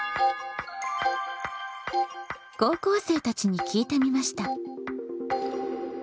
高校生たちに聞いてみました。